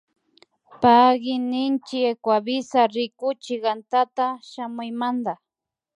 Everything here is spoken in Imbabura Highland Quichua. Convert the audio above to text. Payki ninchi Ecuavisa rikuchik antata shamuymanta